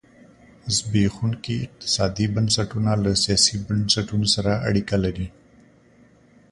زبېښونکي اقتصادي بنسټونه له سیاسي بنسټونه سره اړیکه لري.